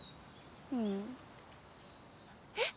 うん。えっ！